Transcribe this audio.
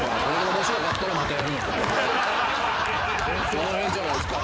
その辺じゃないっすか。